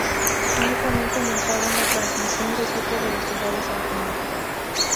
Únicamente montaba una transmisión de siete velocidades automática.